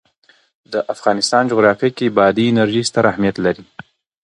د افغانستان جغرافیه کې بادي انرژي ستر اهمیت لري.